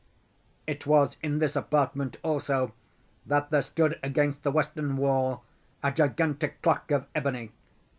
It was in this apartment, also, that there stood against the western wall, a gigantic clock of ebony.